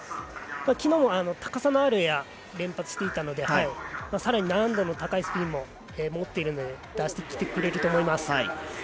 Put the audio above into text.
昨日も高さのあるエアを連発していたのでさらに難度の高いスピンも持っているので出してきてくれると思います。